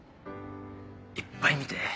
いっぱい見て。